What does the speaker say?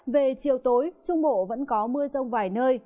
về chiều tối trung bộ vẫn có mưa rông vài nơi